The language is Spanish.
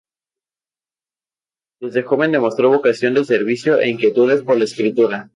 Desde joven demostró vocación de servicio e inquietudes por la escritura.